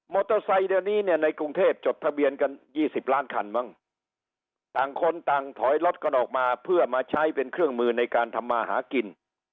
เตอร์ไซค์เดี๋ยวนี้เนี่ยในกรุงเทพจดทะเบียนกัน๒๐ล้านคันมั้งต่างคนต่างถอยรถกันออกมาเพื่อมาใช้เป็นเครื่องมือในการทำมาหากิน